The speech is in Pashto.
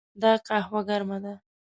دا قهوه ګرمه ده.